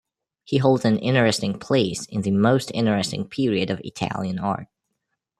He holds an interesting place in the most interesting period of Italian art.